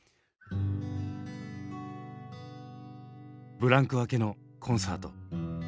ブランク明けのコンサート。